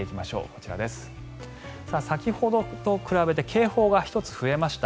こちらです、先ほどと比べて警報が１つ増えました。